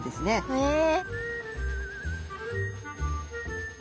へえ。